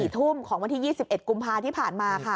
๔ทุ่มของวันที่๒๑กุมภาที่ผ่านมาค่ะ